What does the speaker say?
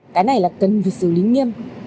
cái này là cần việc xử lý nghiêm